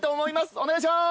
お願いします。